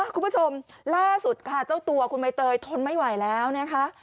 คุณผู้ชมล่าสุดค่ะเจ้าตัวคุณใบเตยทนไม่ไหวแล้วนะคะ